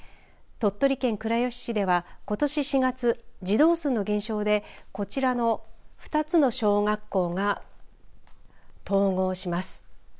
鳥取県倉吉市ではことし４月、児童数の現象でこちらの２つの小学校が統合します。